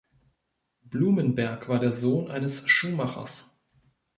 Blumenberg war der Sohn eines Schuhmachers.